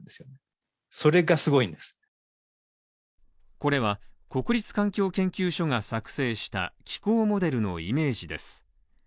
これは国立環境研究所が作成した気候モデルのイメージです。